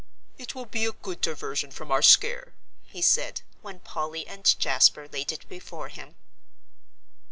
"It will be a good diversion from our scare," he said, when Polly and Jasper laid it before him.